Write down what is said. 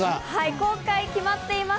今回は決まっています。